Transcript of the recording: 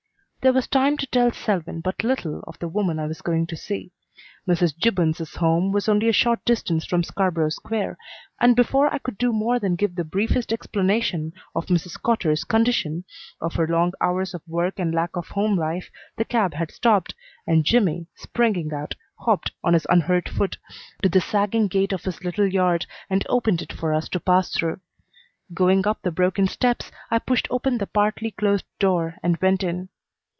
There was time to tell Selwyn but little of the woman I was going to see. Mrs. Gibbons's home was only a short distance from Scarborough Square, and before I could do more than give the briefest explanation of Mrs. Cotter's condition, of her long hours of work and lack of home life, the cab had stopped, and Jimmy, springing out, hopped, on his unhurt foot, to the sagging gate of his little yard and opened it for us to pass through. Going up the broken steps, I pushed open the partly closed door and went in.